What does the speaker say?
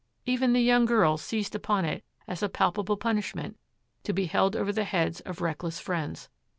Even the young girls seized upon it as a palpable punishment, to be held over the heads of reckless friends.